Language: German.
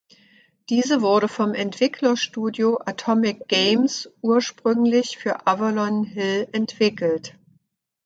Diese wurde vom Entwicklerstudio Atomic Games ursprünglich für Avalon Hill entwickelt.